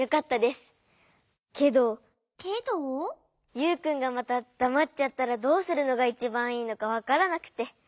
ユウくんがまただまっちゃったらどうするのがいちばんいいのかわからなくて。